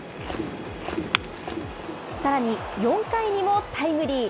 さらに４回にもタイムリー。